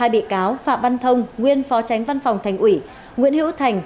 hai bị cáo phạm văn thông nguyên phó tránh văn phòng thành ủy nguyễn hữu thành